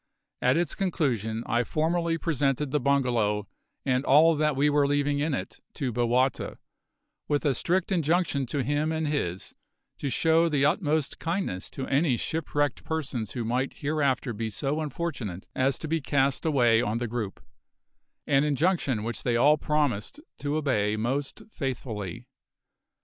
At its conclusion I formally presented the bungalow and all that we were leaving in it to Bowata, with a strict injunction to him and his to show the utmost kindness to any shipwrecked persons who might hereafter be so unfortunate as to be cast away on the group, an injunction which they all promised to obey most faithfully.